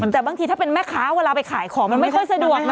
แต่บางทีถ้าเป็นแม่ค้าเวลาไปขายของมันไม่ค่อยสะดวกนะ